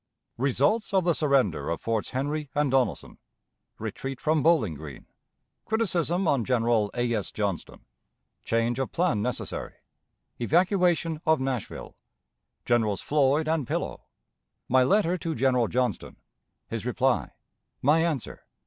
Results of the Surrender of Forts Henry and Donelson. Retreat from Bowling Green. Criticism on General A. S. Johnston. Change of Plan necessary. Evacuation of Nashville. Generals Floyd and Pillow. My Letter to General Johnston. His Reply. My Answer.